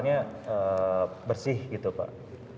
hanya bersih gitu pak